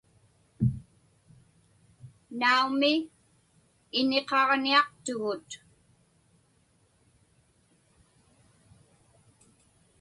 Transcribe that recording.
Naumi, iniqaġniaqtugut.